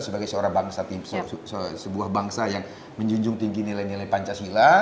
sebagai sebuah bangsa yang menjunjung tinggi nilai nilai pancasila